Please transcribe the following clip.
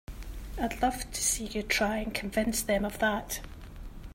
I'd love to see you try and convince them of that!